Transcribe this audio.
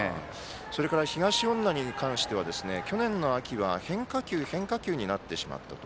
それから東恩納に関しては去年の秋は変化球、変化球になってしまったと。